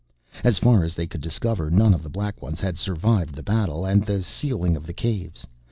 As far as they could discover, none of the Black Ones had survived the battle and the sealing of the Caves.